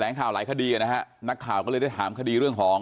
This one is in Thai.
ข่าวหลายคดีนะฮะนักข่าวก็เลยได้ถามคดีเรื่องของ